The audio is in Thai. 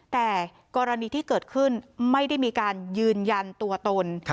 แต่กรณีที่เกิดขึ้นไม่ได้มีการยืนยันตัวตน